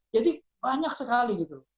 jadi banyak sekali gitu